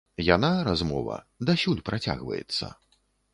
Яна, размова, дасюль працягваецца.